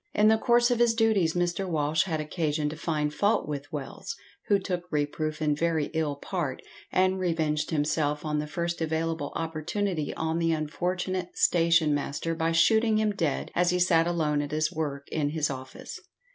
In the course of his duties Mr. Walsh had occasion to find fault with Wells, who took reproof in very ill part, and revenged himself on the first available opportunity on the unfortunate station master by shooting him dead as he sat alone at his work in his office.